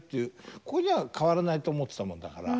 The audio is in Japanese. ここには変わらないと思ってたもんだから。